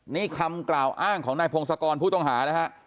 นี่คำกล่าวอ้างของนายพงศกรผู้ต้องหานะฮะ